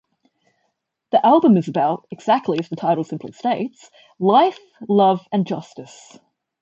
The album is about, exactly as the title simply states, life, love, and justice.